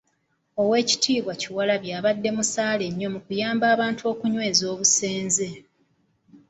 Oweekitiibwa Kyewalabye abadde musaale nnyo mu kuyamba abantu okunyweeza obusenze